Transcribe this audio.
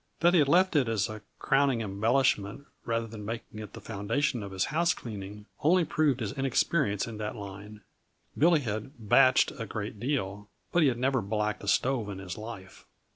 That he had left it as a crowning embellishment, rather than making it the foundation of his house cleaning, only proved his inexperience in that line. Billy had "bached" a great deal, but he had never blacked a stove in his life.